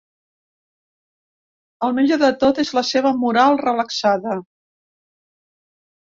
El millor de tot és la seva moral relaxada.